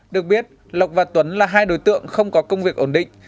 được biết lộc và tuấn là hai đối tượng không có công việc ổn định